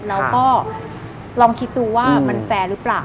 แล้วก็ลองคิดดูว่ามันแฟร์หรือเปล่า